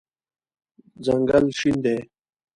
ځنګل شین دی